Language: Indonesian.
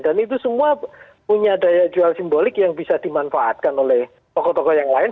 dan itu semua punya daya jual simbolik yang bisa dimanfaatkan oleh tokoh tokoh yang lain